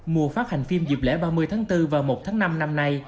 mùa phát hành phim dịp lễ ba mươi tháng bốn và một tháng năm năm nay